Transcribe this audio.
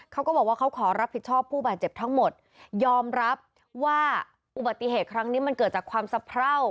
เขาก็บอกว่าเขาขอรับผิดชอบผู้บาดเจ็บทั้งหมดยอมรับว่าอุบัติเหตุครั้งนี้มันเกิดจากความสะเพรา